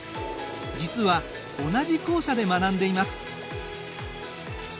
実は同じ校舎で学んでいます。